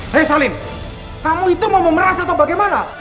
hei salim kamu itu mau memeras atau bagaimana